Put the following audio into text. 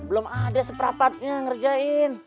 belum ada seprapatnya ngerjain